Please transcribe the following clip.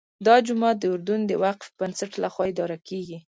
دا جومات د اردن د وقف بنسټ لخوا اداره کېږي.